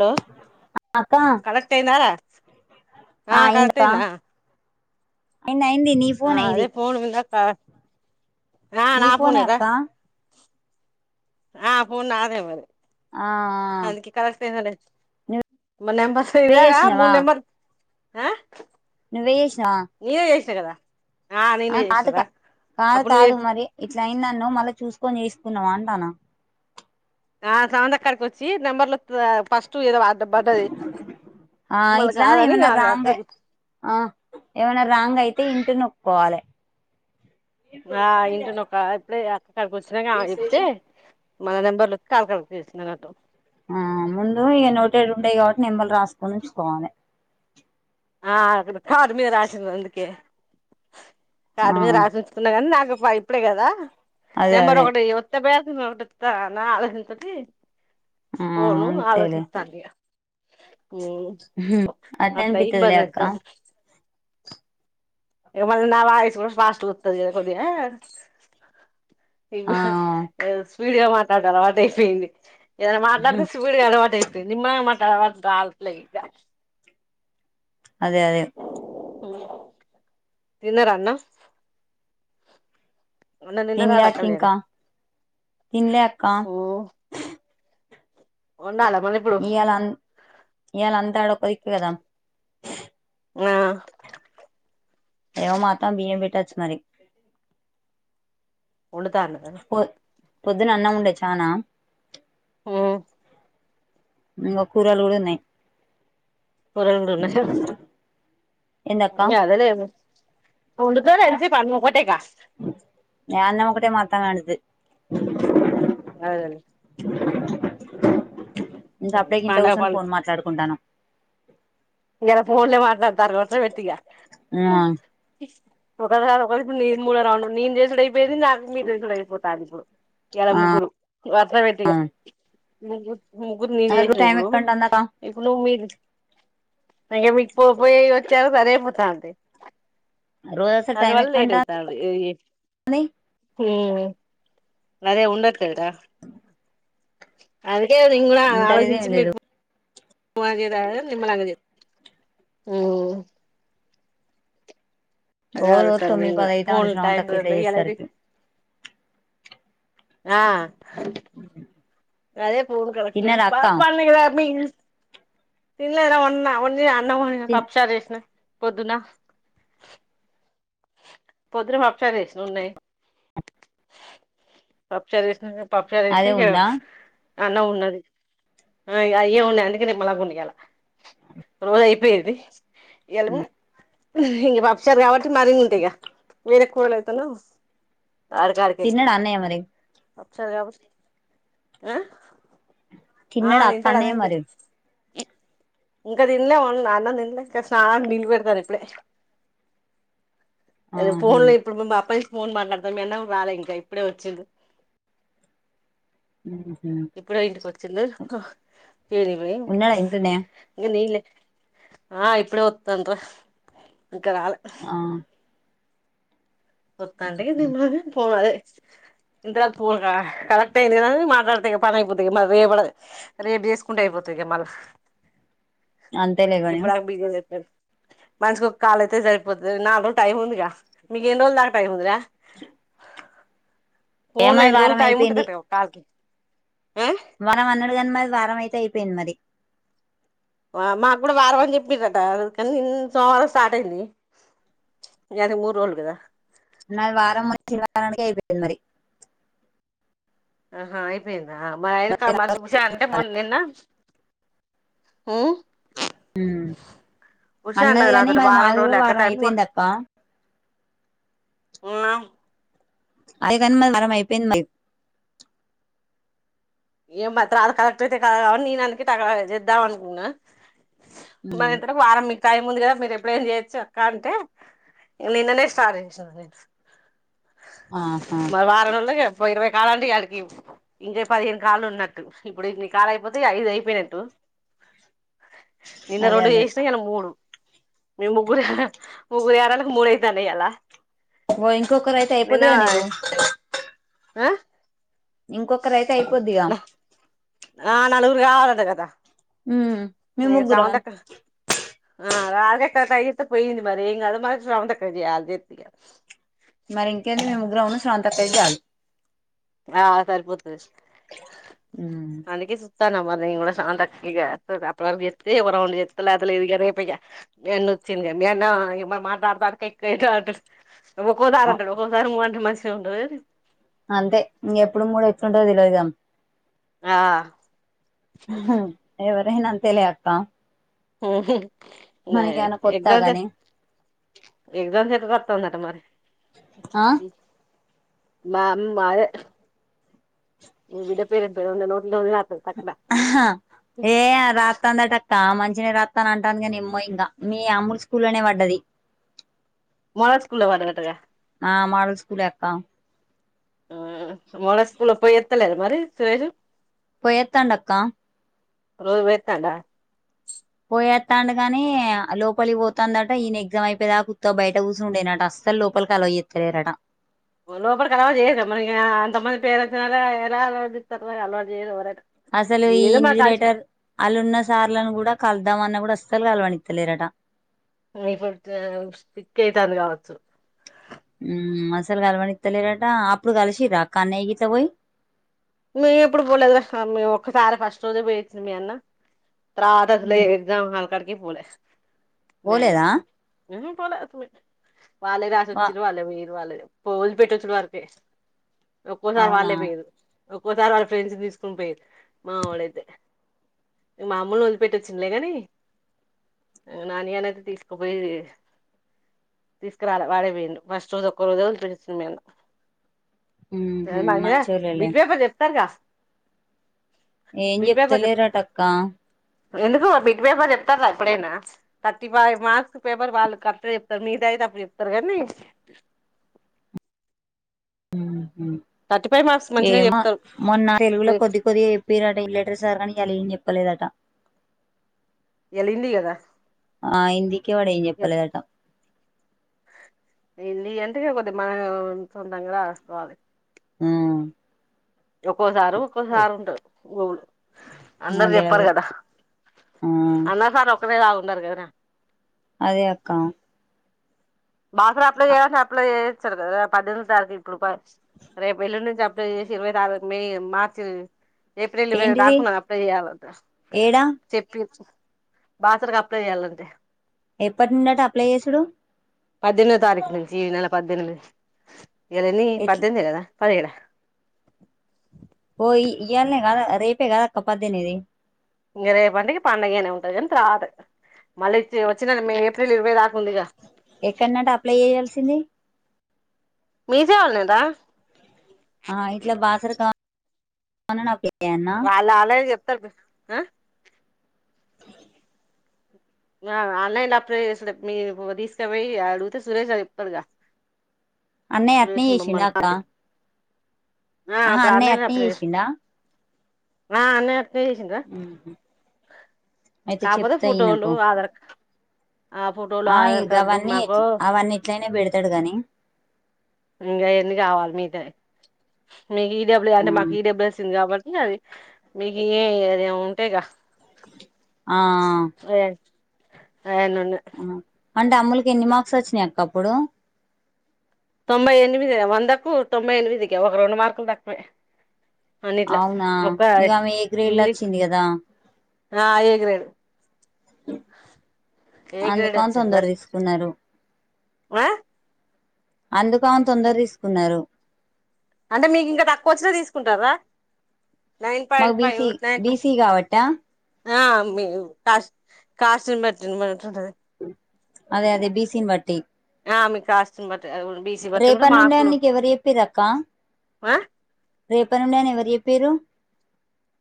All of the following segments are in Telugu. లో అక్క కలెక్ట్ అయిందారా ఆ కనెక్ట్ అయిందకా అయిందా నయింది నీ ఆ ఫోనే ఇది నా నీ నా ఫోనే ఫోనేరా అక్క ఆ ఫోన్ నాదే మరి ఆ అందుకే కనెక్ట్ అయితలేద్ మ నెంబర్స్ నువ్వే ఇవగా చేసినవా మూర్ నెంబర్ ఆ ఎంత చేస్ నేనే చేస్ తె గదా ఆ కాటుకా కాదు అప్పుడు నువ్వు కాదు మరి ఇట్ల అయిందన్నవ్ మళ్ళీ చూస్ సుకొని చేసుకున్నావా అంటన ఆ సమంతక్కకాడికి వచ్చి నెంబర్లు ఒత్ ఫస్ట్ ఏదో అడ్డం పడ్డది ఆ మళ్ళ ఇట్లా కాదని ఏమన్నా రాంగ్ ఆ ఏమన్నా రాంగ్ అయితే ఇంట్ ఇ నోక్కోవాలే ఆ ఇంటునక్క ఇప్పుడే అక్కకాడికి వచ్చినాక ఆమె చేప్తే మన నెంబర్ లక్ కాల్ కరెక్ట్ చేసిందన్నట్టు ఆ ముందు ఇగ నొటెడ్ ఉండయి కాబట్టి నెంబర్లు రాసుకొని ఉంచుకోవాలి ఆ అ కారు మీద రాశ అందుకే కాడ ఆ మీద రాసి ఉంచుకున్నా కానీ నాకు ఇప్పుడే కదా అదే నెంబర్ అదే ఒకటి ఒత్త బ టిత్త నాలా ఎంతది ఆ కోను ఆలోచించస్తానుగా అదేం బ ఇం బందంత మ నా బవిస్ వర్ష వాస్ట్ కొది ఏవ ఆ వీడియో మాట్లాడతారు అట అయిపోయింది ఏదైన్న మాట్లాడుతే శివుడి కి అలవాటైతే సినిమా మా [unintelligible] అదే అదే తిన్నార అన్నం అన్నం తిన్నారారా తిన్లేక్క కళ్యాణి ఇంకా తిన్లే అక్క ఉన్నాళ ఇయాళ అన్ ఇయ్యలా అంతా అడ ఒక్కదిక్కే కదా ఆ ఏవో మా అత్తమ్మ బియం పెట్టచ్చు మరి వొండుతండుతరు పొ పొద్దున అన్నం ఉండే చానా ఉమ్ ఇంగా కూరగయలు గూడ ఉన్నాయ్ [unintelligible] ఏందక్క ఇంగ అదలే వొండుతరు ఎంత సేపు అన్నం ఒటేగా ఏ అన్నమ్మ ఒకటే మా అత్తమ్మ అండుతది [inaudible] [unintelligible] [inaudible] ఇంకా సప్పుడేక ఇంట్ల పండగ కూర్చొని ఫోన్ మాట్లాడుకుంటానం ఇలా ఫోన్లే మాట్లాడ్తార్ వరుస పెట్టిగా ఉమ్ ఒకసారి ఒకడు నీను మూడో రౌండ్ నేను చేసుడు అయిపోయింది నాకు మీరు చేసుడు అయిగిపోతాంది ఇప్పుడు ఇయల ఆ ముగ్గురు వరుస పెట్టిగా ముగ్గు ముగ్గురు నేన్ అసలు చేసిన టైం ఇప్పుడు ఎక్కడికంటాందక్క ఇప్పుడు నువ్ మీరు ఇంకా మీకు పో పోయి వచ్చేరకు సరే అయిపోతా అంటే రోజు అసలు అందు టైం వల్ల లేట్ ఎక్కడికంటాంది అయితాంది ఇ ఉమ్ అదే ఉండట్లేదు రా అది నేన్ కూడా ఉంటలేదు ఏం ఆలోచించుకుని లేదు [unintelligible] నిమ్లగతే ఉమ్ అదే ఓగో రోజు ఆలోచిస్తాన్న తొమ్మి నేను కూడా పదైతాంది ఫోన్లు టైం స్రవంతక్క గిట్ల కుదరట్లే ఇయాలైతే చేసేసరికి ఆ ఉ అదే పూన్ కడక్షిన పడి కమ తిన్లేద ఒ ఒ తిన్ పపుచా చేస్ిన పొద్దునా పొద్దురు పప్ష వేసిన ఉన్నాయి పప్చ వేసిన పపుచ రస్ న అదే ఉందా అన్న ఉన్నది అయే ఉన్నాయి అందుకేేమలా గునిగాలా రోజ అయిపోయేది ఎలము ఇం పప్ సార్ కాబట్టి మరి ేగా మీర కోళయితనా తిన్నడు అన్న్య మరి అచ్చగాబ ఆ చిన్నడక్కనే మరి అ ఇంకా తంలే వా నాన్న తిినలే ఇ బిలు పెడతారు ఇప్పుడే అది ఫన్ ఆహా లో ఇప్పుడు మ అప్పా ఫోన్ మాట్లాడతాం ఎన్న వేల ఇంకా ఇప్పుడే వచ్చింది ఉహు ఇప్పుడు ఇంటికి వచ్చిలేదు చేడిపోయి ఉన్నాడా ఇంట్లోనే నీ ఆ ఇప్పుడ తుంత్ర అక్కనాళ ఆ ఒక్క అండి పోవాలే ఇంతకు కురా కరెక్ట్ అయింది కదా మాట్లాడతే పని అయిపోతుంది రేపడ రేపు చేసుకుంటే అయిపోతంది మళ్ల అంతేలేగాని ఇప్పుడు ఆకు బిజా అయిపోయింది మనసుకి ఒక కాాలయితే సరిపోతుది నాలుగు టైమ్ ఉందిగా మీ ఎన్ని రోజులకు టైం ఉందిరా చె ఫోన్ల ఎన్ని రోజులు టైముంటదట కాల్ కి మనం అన్నడుగాని మరి వారం అయితే అయిపోయింది మరి మాకు కూడా వారం వారం చెప్పిందట కానీ సోమవారం స్టార్ట్ అయిందిది మూడు రోజులు కదా నాది వారం వచ్చింది వారానికి అయిపోయింది మరి ఆం ఆహా అయిపోయింది ఆ మా ఎనకా మర్సి శుభసేన అంటే మొన్న నిన్న ఉం ఉష అన్నది కాని నాతోటి మరి వారం మాది రోజులు కూడా లక్క వారం టైమ్ ఉ అయిపోయింది అక్క ఐదుఅన్నది కానీ మాది వారం అయిపోయింది ఏం మాత్రం అది కరెక్ట్ అయితే కదు నేను అందుకె టక్క చేద్దాం అనుకున్నా మనం ఇద్దరం వారం టైం ఉంది కదా మీరు ఎప్పుడైనా చేయొచ్చు అక్క అంటే నిన్ననే స్టార్ట్ చేసిన నే ఆహా మరి వారం రోజులకే ఓ ఇరవై కావండి ఈయాటికి ఇంకా పదిహేం కాలు ఉన్నట్టు ఇప్పుడు ఇ కాలు అయిపోతే అయిపోయినట్టు నిన్న అదే రెండు అదే చేసినా నను మూడు మీ ముగ్గురు ముగ్గురు ఈ యాలయారంలాకు మూడు యితన్నై ఈయాల ఇంకొకరు అయితే అయిపోదుగా నీవు హ ఇంకొక రైతే అయిపోదిగా ఆ నలుగురు కావాలట కదా ఉం మీ ఇగ ముగ్గురా స్రవంతక్క ఆ రాజక్క సతాయిత్తే పోయింది మరి ఇంగ ఈ నడుమా స్రవంతి అక్క యాడ్ చేదున్ ఇగ మరి ఇంకేది మేము ముగ్గురం ఉన్నాం స్రవంతి అక్క అయితే చాలు ఆ సరిపోద్లే హుమ్ మరి స్రవంతి అక్క ఇగ అప్పటివరకు చేస్తేకూడా రౌం లేకపోతే లేదుగా రేపేఎత్తు మేన్ వచ్చి మేం మా మాట్లాడ తంటే ఒక్కోసారి అంటారు ఒ ఒక్కసారి మూవ అంట మంచి ఉండేది అంతే ఇంగ ఎప్పుడు మూడు వచ్చిండేది లేదని ఆ ఉహూ ఎవరైనా అంతె తేలే అత్త ఏంటది మనకేమన్న కొత్తాగాని ఎక్సాంస్ ఎట్ట రాతందంట మరి ఆ మా మావే మీ బిడ్డ పేరు [inaudible] అహ్హ్ ఏ రాత్తందటక్క ఆమన్ చ్చిన రాత్తా అని అంటాంది గానేమ్మో ఇంగా మీ అమ్ములు స్కూల్లోనే వడ్డది మోడల్ స్కూల్లో వడ్డదటగా ఆ మాడల్ స్కూలే అక్క ఆ మళ స్కూళ్లో పోయి త్తలేదా మరి సురేష్ పొయత్తాండక్కా రోజు పొయ్యెత్తాండా పొయ్యెత్తాండు గానీ లోపలికి పోతాందట ఈయన ఎగ్జామ్ అయిపోయెదాక ఉత్తగ బయట కూసునుడేనటా అస్సలు లోపలికి అలవ్ చేత్తలేరట. లోపటికి అల్లో చెయ్యరు గదా మరి ఇగా అంత మంది పేరెంట్స్ నీ అల్లో ఎలా అల్లో చేత్తర్ రా అల్లో చెయ్యరు ఎవరైన్ అసలు ఈ ఇన్విజిలేటర్ అల్లున్న సార్లను కూడా కలుదాం అన్న కూడ్ అస్సల్ కల్వనిత్తలేరటా. ఇప్పుడు [unintelligible] స్టిక్ అయితాంది కావచ్చు. ఉమ్ అసల్ కలవనిత్తలేరటా అప్పుడు కల్శింరా కన్నయ్య గిట్ల పోయి. మేము ఎప్పుడు పోలేదు రా. ఆ మేము ఒక్కసారే ఫస్ట్ రోజే పోయిచ్చిండు మీ అన్న. తర్వాత అసలే ఎగ్జామ్ హాల్క్ కాడికి పోలే. పోలేదా. ఊ పోలే అసలే. వాళ్ళే వా రాసొచ్చిర్రు వాళ్ళే పోయిర్రు వాళ్ళే వోదిలి పెట్టొచ్చుడు వరకే. ఒక్కోసారి అవునా వాళ్ళే పోయిర్రు. ఒక్కోసారి వాళ్ళ ఫ్రెండ్స్ని తీసుకొని పోయిర్రు మా వోడైతే. మా అమ్ముల్ని వదిలిపెట్టొచ్చిండులే గానీ. నానిగానియితే తీసుకుపోయి తీస్ తీసుకురాలే వాడేపోయిండు. ఫస్ట్ రోజు ఒక్క రోజే వదిలిపెట్టి వచ్చినం మేము. ఊహూ మంచోళ్ళెలే. [unintelligible] చెప్తారుగా ఏం చెప్తలేరటక్కా. ఎందుకూ బిట్ పేపర్ చెప్తార్రా ఎప్పుడైనా. థర్టీ ఫైవ్ మార్క్స్ పేపర్ వాళ్ళు కరెక్ట్గ చెప్తరు. మీదయిటప్పుడు చెప్తరు గానీ. ఉహు ఫైవ్ మార్క్స్ మంచిగా ఏమో చెప్తారు మొన్న తెలుగులో కొద్ది కొద్దిగ చెప్పిర్రటా ఇన్విజిలేటర్ సార్ గానీ ఇయ్యాల ఏం చెప్పలేదటా. ఇయాల హిందీ కదా ఆ ఇందుకే వాడేంచెప్పలేదటా. న ఎంటకే కొద్ది మనం సొంతంగా రా. ఆ ఒక్కోసారు ఒక్కోసారు ఉంటదు. [unintelligible] అందరు అదే చెప్పారు అదే కదా. ఆ అన్నర్ సార్ ఒక్కేలా ఉండరు గద రా అదే అక్కా బాసరా అప్లై చేయమంటే అప్లై చె చారు గదా. పద్దెనిమిది తారీఖు ఇప్పుడు రేపు ఎల్లుండి నుంచి అప్లై చేసి ఇరవై తారీఖు మే మార్చి ఏప్రిల్ ఇరవై ఐదు ఏంటిది దాక ఉన్నద్ అప్లై చెయ్యాలంటా. ఏడా చెప్పిర్ బాసరకు అప్లై చేయాలంటే. ఎప్పటి నుండట అప్లై చేశుడు. పద్దెనిమిదో తారీఖు నుంచీ. ఈ నెల పద్దెనిమిది. ఇయ్యాల ఎన్ని ఎట్ పద్దెనినిమిదే కదా పదిగేడ ఓ ఇ ఇయ్యాలనే కాదా రేపే కాదక్క పడ్డెనిమిది ఇంగ రేపుంటే పండగనే ఉంటుంది అని రాదు మళ్ళీచ్చ వచ్చిన ఏప్రిల్ ఇరవై దాకా ఉందిగా ఎక్కడన్నట అప్లై చేయల్సింది మీ సేవ ళ్లేనారా అ ఇట్లా బాసర కా అన వాళ్ళు ఆల్రెడీ చెప్పు తారు హ ఆన్లైన్ ల అప్లై చేసుడే మీ తీసుకపోయి అడిగితే సురేష్ గాడు చెప్పాడుగా అన్నయ అట్నే చేేసిిందా అక్కా ఆ ఆహా అన్నయ్య అట్నే చేసిిండా నా అన్నయ్య కే చేసిండు రా అయితే కాపోతే చెప్తా ఫోటోలు ఈయనకు ఆధార్ ఆ ఫోటోలు ఆ ఆధార్ ఇగ కార్డు అవన్నీ మాకు ఇట్ల అవన్నీ ఇట్లనే బడతు ఎత్తాడుగాని ఇంకా ఎన్ని కావాలి మీద మీకు ఈడబ్్యూ అంటే మాకు ఈడబ్ల్యూ వస్తుంది కాబటి ఇ అవి మీకు ఏ అదిే ఉంటేగా ఆ ఆనన్న అంటే అమ్ములకి ఎన్ని మార్క్స్ వచ్చినాయి అక్కప్పుడు తొంభై ఎనిమిది వందకు తొంభై ఎనిమిదికి ఒక రెండు మార్కులు తక్కువే అన్నిట్లా అవునా ఒక ఇక ఆమె ఎగరేళ్ళ ఇంగ్లీష్ వచ్చింది కదా ఆ ఏగ్రేను ఏ గ్రేడ్ అందుకని వచ్చిందిరా తొందర తీసుకున్నారు ఆ అందుకు అని తొందర తీసుకున్నారు అంటే మీకు ఇంకా తక్కువ వచ్చినా తీసుకుంటారా నైన్ మాకు పాయింట్ బీస ఫైవ్ నైన్ బీసీ కాబట్టా ఆ మీ కాశ కాశపటి మ అదే అదే బీసన్ వాట్టటి అ మీ కాస్తు రేపని ఉండేని నీకు ఎవరు చెప్పి రక్క ఆ రేప ను ఉండే అని ఎవరు చెప్పి పరు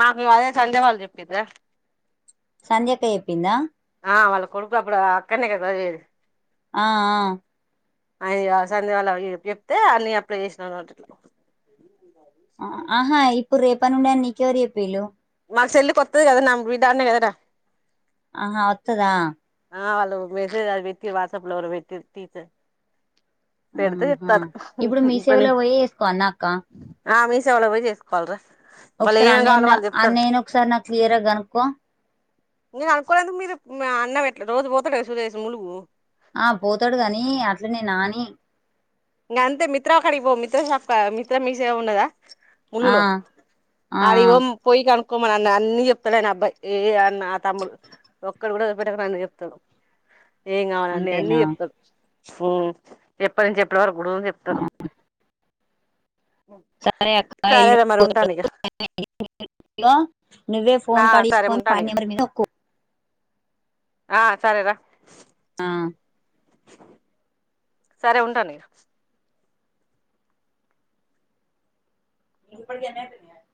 మాకు అదే సంధ్య వాల్ చెప్పిదా సంధ్యక్క చెప్పిందా ఆ వాళ్ళ కొడుకు అప్పుడు అక్కనే కదా సదివేది ఆ అయ్యో సంధ్య వాళ అయ్యక్ చెప్తే అన్ని అప్లై చేసినరు వాలు ఆహా ఇప్పుడు రేపనుండన్ నీకెవరు చెప్పిళ్ళు మా చెల్లి కొత్తది కదా నా బిడ్డ ఆడ్నే కదా ఆహా వత్తదా ఆ వాళ్ళు మెసేజ్ అని పెట్టి వాట్సాప్ లో ఒకరు పెట్టిచి ఆహా ఇప్పుడు మీ సేవలో పోయి ఎత్తుకోవల్న అక్కా మీసేవ లో పోయి చేసుకోవాల్రా ఒకసార్ అన్నయ అన్నయన్ ఒకసారి క్లియర్గ కనుక్కోవ నేను అనుకోలేదు మీరు ఇప్ అన్న ఇట్ట రోజు పోతాడు కద సురేశు మునుపు ఆ పోతాడు కానీ అట్లనే నాని ఇంగంతే మిత్ర కాడికి పో మిత్ర షాప్ మిత్ర మీసేవ ఉండదా మున్ను ఆ లో ఆ ఆటికి పోమ్ పోయి కన్ ఉక్కో మన్న అన్ని చెప్తాడు ఆయన అబ్బాయ్ ఏ అన్న ఆ తమ్ముడు ఒక్కడు కూడ వదిలిపెట్టకుండా అన్ని చెప్తాడు ఏం కావాలనీ అన్నీ అంతేనా చెప్తడు హుమ్ చెప చెపల్ రు రోజు చెప్తరు సరే అక్క ఎల్ సరేరా మరి ఉంటాను ఇక నువ్వే ఆ ఫోన్ కార్డు సరే తీసుకొని ఉంటాను ఫైన్ ఇక నెంబర్కు ఆ సరేరా ఆ సరే ఉంటానిగా ఇప్పుడు కేనా బిర్యానీ